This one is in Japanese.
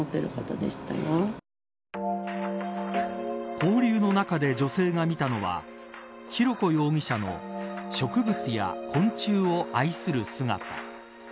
交流の中で女性が見たのは浩子容疑者の植物や昆虫を愛する姿。